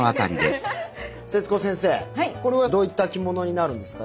節子先生これはどういった着物になるんですか？